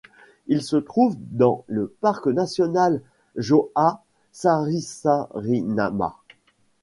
Il se trouve dans le parc national Jaua-Sarisariñama.